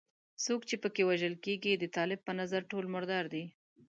څوک چې په کې وژل کېږي د طالب په نظر ټول مردار دي.